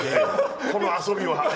この遊びは。